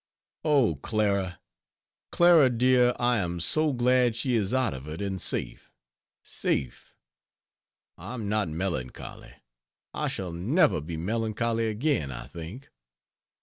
O, Clara, Clara dear, I am so glad she is out of it and safe safe! I am not melancholy; I shall never be melancholy again, I think.